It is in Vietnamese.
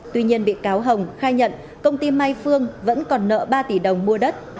tuy nhiên bị cáo hồng khai nhận công ty mai phương vẫn còn nợ ba tỷ đồng mua đất